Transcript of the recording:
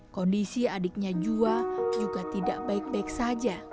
kondisi adiknya jua juga tidak baik baik saja